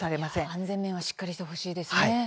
安全面はしっかりしてほしいですね。